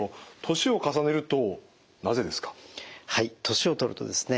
年をとるとですね